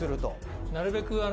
なるべく。